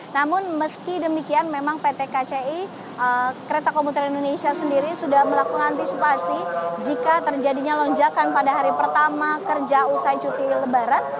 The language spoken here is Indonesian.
namun meski demikian memang pt kci kereta komuter indonesia sendiri sudah melakukan antisipasi jika terjadinya lonjakan pada hari pertama kerja usai cuti lebaran